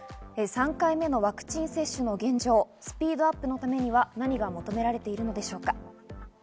３回目のワクチン接種の現状、スピードアップのためには何が求められているのでしょうか。